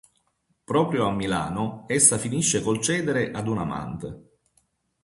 Proprio a Milano essa finisce col cedere ad un amante.